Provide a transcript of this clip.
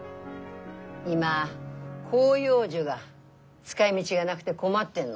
今広葉樹が使いみぢがなくて困ってんの。